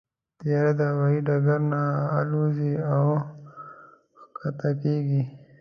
طیاره د هوايي ډګر نه الوزي او کښته کېږي.